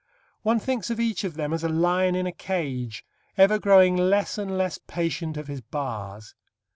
One thinks of each of them as a lion in a cage, ever growing less and less patient of his bars.